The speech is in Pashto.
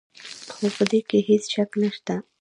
خو په دې کې هېڅ شک نشته.